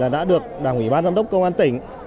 đã được đảng ủy ban giám đốc công an tỉnh